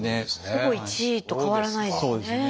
ほぼ１位と変わらないですね。